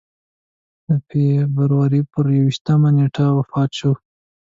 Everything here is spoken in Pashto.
د فبروري پر یوویشتمه نېټه وفات شو.